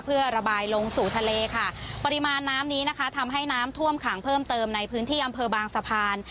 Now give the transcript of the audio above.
เพื่อระบายลงสู่ทะเลค่ะปริมาณน้ำนี้นะคะทำให้น้ำท่วมขังเพิ่มเติมในพื้นที่อำเภอบางสะพาน